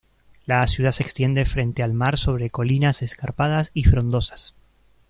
La ciudad se extiende frente al mar sobre colinas escarpadas y frondosas.